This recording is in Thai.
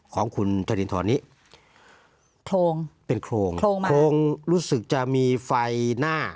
ของคุณธรินทรนี้โครงเป็นโครงโครงรู้สึกจะมีไฟหน้า